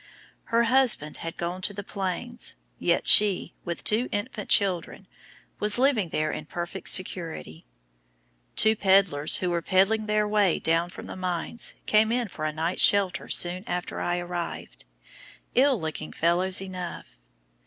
Her husband had gone to the Plains, yet she, with two infant children, was living there in perfect security. Two pedlars, who were peddling their way down from the mines, came in for a night's shelter soon after I arrived ill looking fellows enough.